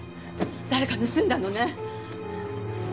誰か盗んだのね。